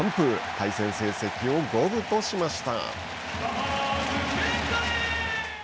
対戦成績を五分としました。